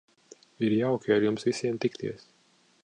Ir jauki ar jums visiem tikties.